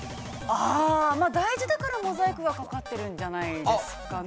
◆大事だから、モザイクがかかっているんじゃないですかね。